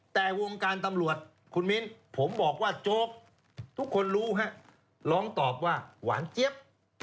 แต่วงการตำรวจคุณมิ้นผมบอกว่าโจ๊กทุกคนรู้ฮะร้องตอบว่าหวานเจี๊ยบ